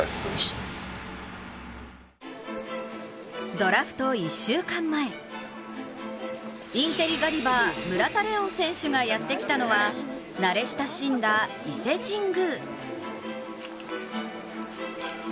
ドラフト１週間前、インテリガリバー村田怜音選手がやってきたのは慣れ親しんだ、伊勢神宮。